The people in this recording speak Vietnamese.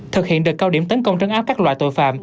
thực hiện đợt cao điểm tấn công trấn áp các loại tội phạm